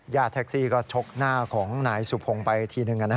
แท็กซี่ก็ชกหน้าของนายสุพงศ์ไปทีนึง